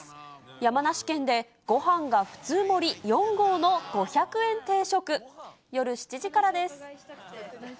山梨県でごはんが普通盛り４合の５００円定食。